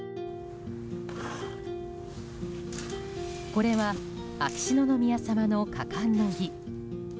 これは秋篠宮さまの加冠の儀。